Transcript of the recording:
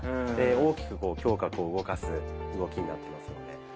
大きく胸郭を動かす動きになってますので。